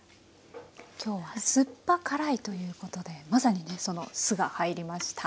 今日は酸っぱ辛いということでまさにその酢が入りました。